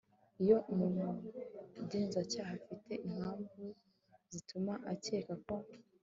Iyo umugenzacyaha afite impamvu zituma akeka ko